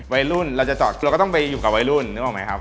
วัยรุ่นเราจะจอดเราก็ต้องไปอยู่กับวัยรุ่นนึกออกไหมครับ